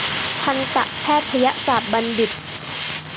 ทันตแพทยศาสตรบัณฑิต